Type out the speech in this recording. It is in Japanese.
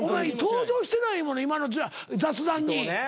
登場してないもの今の雑談に。